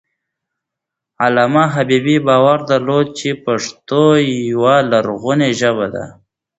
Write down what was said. علامه حبيبي باور درلود چې پښتو یوه لرغونې ژبه ده.